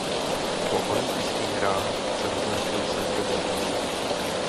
Po olympijských hrách se rozloučil s reprezentací.